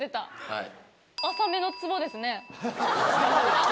はい。